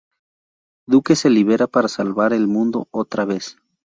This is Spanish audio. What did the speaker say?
Duke se libera para salvar el mundo, otra vez.